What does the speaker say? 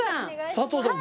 佐藤さん